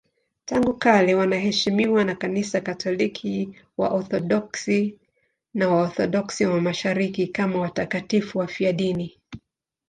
Tangu kale wanaheshimiwa na Kanisa Katoliki, Waorthodoksi na Waorthodoksi wa Mashariki kama watakatifu wafiadini.